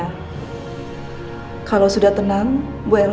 supaya bisa mengurangi rasa sakitnya